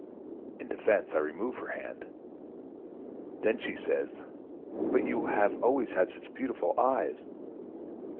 In defence I remove her hand. Then she says: 'But you have always had such beautiful eyes.'....